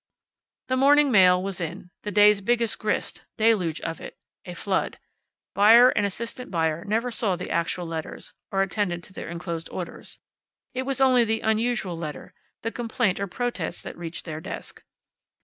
The morning mail was in the day's biggest grist, deluge of it, a flood. Buyer and assistant buyer never saw the actual letters, or attended to their enclosed orders. It was only the unusual letter, the complaint or protest that reached their desk.